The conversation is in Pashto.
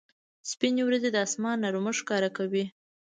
سپینې ورېځې د اسمان نرمښت ښکاره کوي.